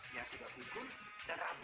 yang sudah pimpun dan rapun